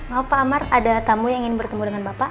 maaf pak amar ada tamu yang ingin bertemu dengan bapak